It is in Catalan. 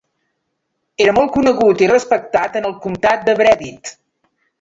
Era molt conegut i respectat en el comtat de Breathitt.